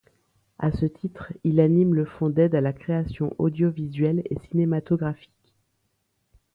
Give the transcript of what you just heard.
À ce titre, il anime le Fonds d’aide à la création audiovisuelle et cinematographique.